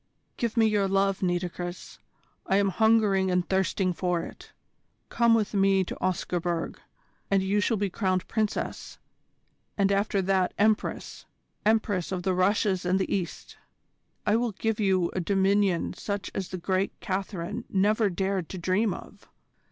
Give me your love, Nitocris. I am hungering and thirsting for it. Come with me to Oscarburg, and you shall be crowned Princess and after that Empress Empress of the Russias and the East. I will give you a dominion such as the great Catherine never dared to dream of.